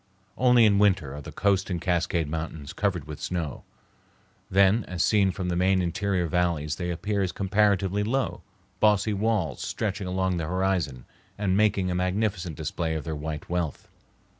Only in winter are the Coast and Cascade Mountains covered with snow. Then as seen from the main interior valleys they appear as comparatively low, bossy walls stretching along the horizon and making a magnificent display of their white wealth.